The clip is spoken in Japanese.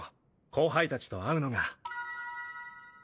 後輩たちと会うのが。